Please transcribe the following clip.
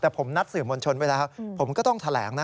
แต่ผมนัดสื่อมวลชนไว้แล้วผมก็ต้องแถลงนะ